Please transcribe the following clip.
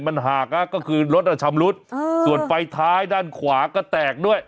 มันหากน่ะก็คือรถอาชำรุษเออส่วนฝ่ายท้ายด้านขวาก็แตกด้วย